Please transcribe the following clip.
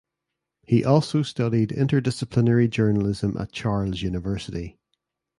He also studied interdisciplinary journalism at Charles University.